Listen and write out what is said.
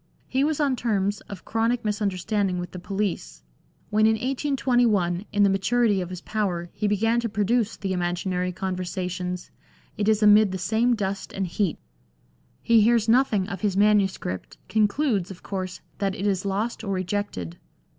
He was on terms of chronic misunderstanding with the police. When in 1821, in the maturity of his power, he began to produce the Imaginary Conversations^ it is amid the same dust and heat. He hears nothing of his manuscript, XIV LANDOR. concludes, of course, that it is lost or rejected.